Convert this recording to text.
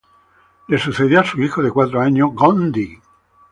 Le sucedió su hijo de cuatro años, Gong Di.